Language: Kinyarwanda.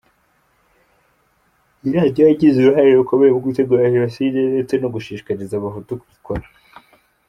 Iyi radiyo yagize uruhare rukomeye mu gutegura Jenoside ndetse no gushishikariza abahutu kuyikora.